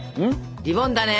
リボンだね。